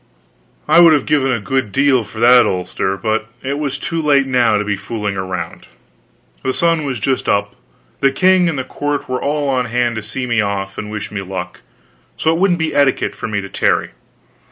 I would have given a good deal for that ulster, but it was too late now to be fooling around. The sun was just up, the king and the court were all on hand to see me off and wish me luck; so it wouldn't be etiquette for me to tarry.